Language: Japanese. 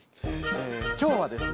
今日はですね